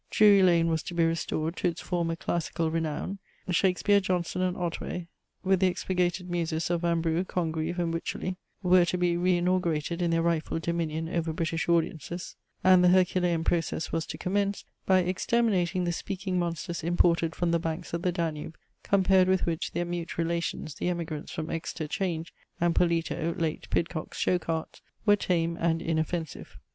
Drury Lane was to be restored to its former classical renown; Shakespeare, Jonson, and Otway, with the expurgated muses of Vanbrugh, Congreve, and Wycherley, were to be reinaugurated in their rightful dominion over British audiences; and the Herculean process was to commence, by exterminating the speaking monsters imported from the banks of the Danube, compared with which their mute relations, the emigrants from Exeter 'Change, and Polito (late Pidcock's) show carts, were tame and inoffensive.